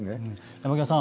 山極さん